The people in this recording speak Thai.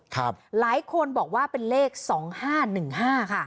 หลายคนบอกว่าเป็นเลข๒๕๑๕ค่ะ